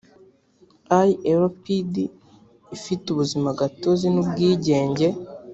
ilpd ifite ubuzimagatozi n ubwigenge